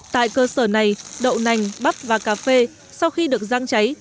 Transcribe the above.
tại cơ sở này đậu nành bắp và cà phê sau khi được răng cháy